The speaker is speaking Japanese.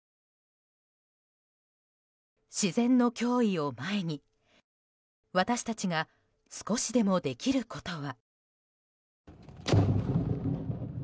自然の脅威を前に私たちが少しでもできることは。